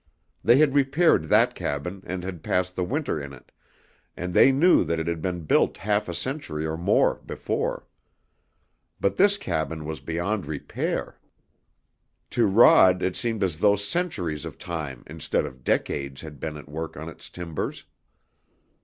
They had repaired that cabin and had passed the winter in it, and they knew that it had been built half a century or more before. But this cabin was beyond repair. To Rod it seemed as though centuries of time instead of decades had been at work on its timbers.